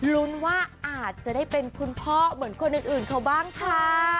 ลุ้นว่าอาจจะได้เป็นคุณพ่อเหมือนคนอื่นเขาบ้างค่ะ